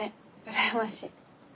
羨ましい。